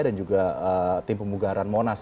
dan juga tim pembugaran monas